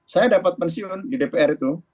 saya dapat pensiun di dpr itu